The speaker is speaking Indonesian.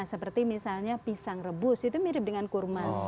seperti misalnya pisang rebus itu mirip dengan kurma